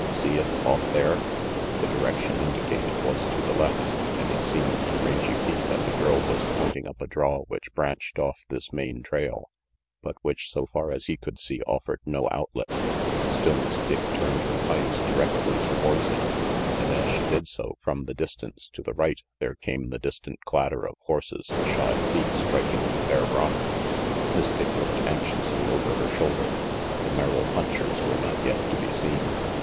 "See it, off there?" The direction indicated was to the left, and it seemed to Rangy Pete that the girl was pointing up a draw which branched off this main trail, but which, so far as he could see, offered no outlet. Still, Miss Dick turned her cayuse directly towards it, and as she did so, from the distance to the right there came the distant clatter of horses' shod feet striking the bare rock. Miss Dick looked anxiously over her shoulder, but the Merrill punchers were not yet to be seen.